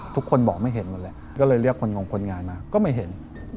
ทุกคนบอกไม่เห็นหมดแหละก็เลยเรียกคนงงคนงานมาก็ไม่เห็น